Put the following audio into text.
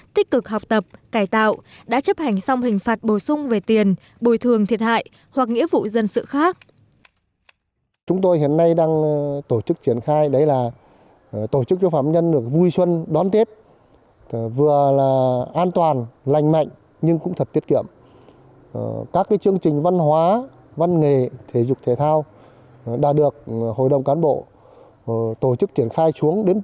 tích cực học tập cải tạo đã chấp hành xong hình phạt bổ sung về tiền bồi thường thiệt hại hoặc nghĩa vụ dân sự khác